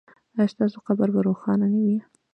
ایا ستاسو قبر به روښانه نه وي؟